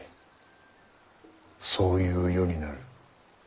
そういう世になる。